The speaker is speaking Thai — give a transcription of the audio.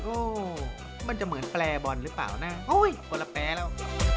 โอ้มันจะเหมือนแปรบอลหรือเปล่านะโอ้ยคนละแปรแล้ว